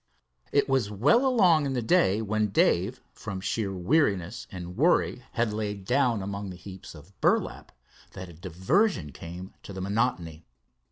It was well along in the day, when Dave from sheer weariness and worry had lain down among the heaps of burlap, that a diversion came to monotony.